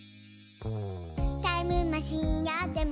「タイムマシンあっても」